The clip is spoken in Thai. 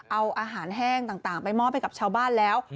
เอาอาหารแห้งต่างไปมอบให้กับชาวบ้านแล้ว